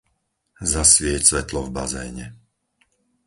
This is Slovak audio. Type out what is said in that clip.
Zasvieť svetlo v bazéne.